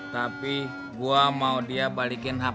tapi gue mau dia balikin hp ani